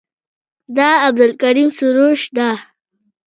دا عبدالکریم سروش ده.